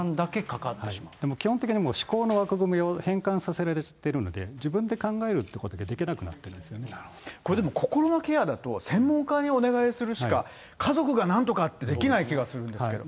基本的に思考の枠組みを変換させられてるので、自分で考えるってことができなくなってるんでこれ、でも心のケアだと専門家にお願いするしか、家族がなんとかってできない祈願ですけど。